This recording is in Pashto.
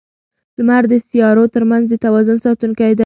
لمر د سیارو ترمنځ د توازن ساتونکی دی.